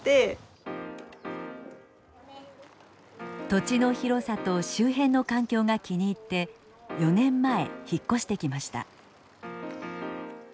土地の広さと周辺の環境が気に入って４年前引っ越してきました。